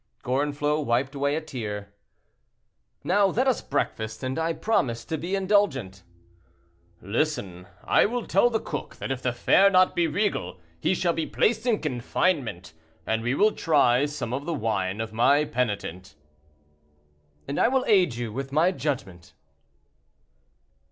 Gorenflot wiped away a tear. "Now let us breakfast, and I promise to be indulgent." "Listen! I will tell the cook that if the fare be not regal, he shall be placed in confinement; and we will try some of the wine of my penitent." "I will aid you with my judgment."'